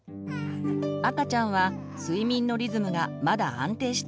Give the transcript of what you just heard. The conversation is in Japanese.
赤ちゃんは睡眠のリズムがまだ安定していません。